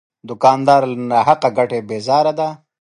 دوکاندار له ناحقه ګټې بیزاره دی.